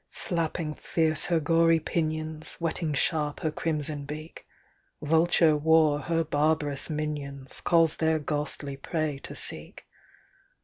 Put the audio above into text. Flapping fierce her gory pinions, Whetting sharp her crimson beak, Vulture War her barbarous minions, Calls their ghastly prey to seek.